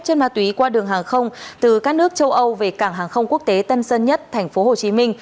trên ma túy qua đường hàng không từ các nước châu âu về cảng hàng không quốc tế tân sơn nhất tp hcm